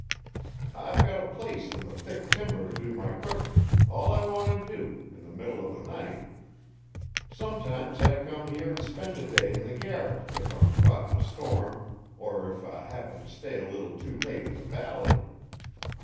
I've got a place in the thick timber t' do my cookin' all I want t' do in the middle of the night Sometimes I come here an' spend a day in the garret if I'm caught in a storm or if I happen to stay a little too late in the valley.